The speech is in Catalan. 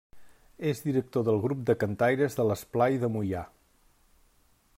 És director del Grup de Cantaires de l'Esplai de Moià.